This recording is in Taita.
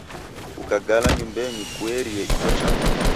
Kagala nyumbenyi kuerie icho chaghu